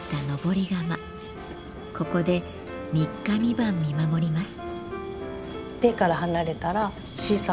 ここで３日３晩見守ります。